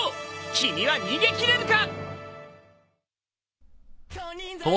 君は逃げ切れるか！？